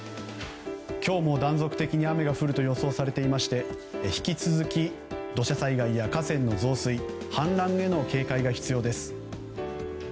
今日も断続的に雨が降ると予想されていまして引き続き、土砂災害や河川の増水氾濫への警戒が必要です。